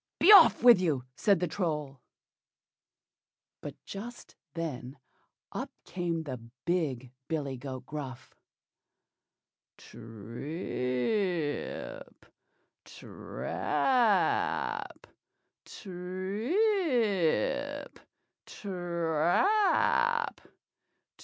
be off with you," said the Troll. But just then up came the big billy goat Gruff. "TRIP, TRAP! TRIP, TRAP!